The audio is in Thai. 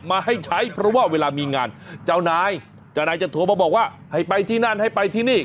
มาให้ใช้เพราะว่าเวลามีงานเจ้านายเจ้านายจะโทรมาบอกว่าให้ไปที่นั่นให้ไปที่นี่